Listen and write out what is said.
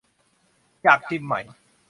อยากชิมไหม